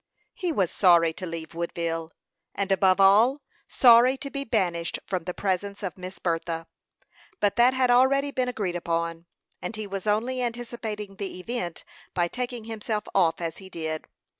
He was sorry to leave Woodville, and above all, sorry to be banished from the presence of Miss Bertha. But that had already been agreed upon, and he was only anticipating the event by taking himself off as he did.